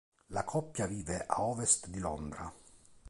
La coppia vive a ovest di Londra.